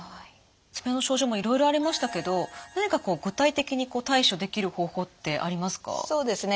爪の症状もいろいろありましたけど何かこう具体的に対処できる方法ってありますか？